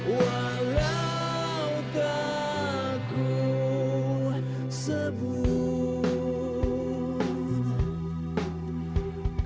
walau tak kusebut